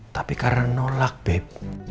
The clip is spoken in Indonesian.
tapi karena nolak beb